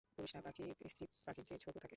পুরুষরা পাখি স্ত্রী পাখির চেয়ে ছোট থাকে।